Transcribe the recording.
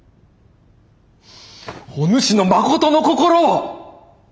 おぬしのまことの心を。